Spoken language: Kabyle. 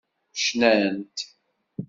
Cnant.